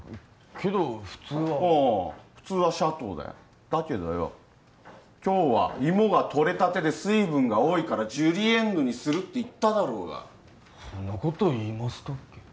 けど普通はああ普通はシャトーだよだけどよ今日は芋がとれたてで水分が多いからジュリエンヌにするって言っただろうがほんなこと言いましたっけ